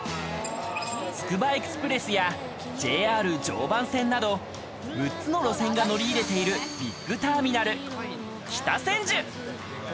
つくばエクスプレスやＪＲ常磐線など６つの路線が乗り入れているビッグターミナル、北千住。